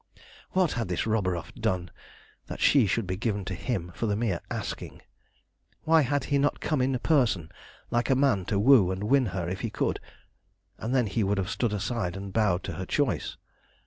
What had this Roburoff done that she should be given to him for the mere asking? Why had he not come in person like a man to woo and win her if he could, and then he would have stood aside and bowed to her choice.